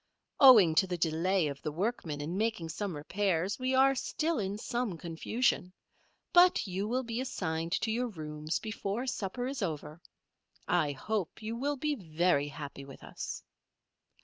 Owing to the delay of the workmen in making some repairs, we are still in some confusion, but you will be assigned to your rooms before supper is over. I hope you will be very happy with us."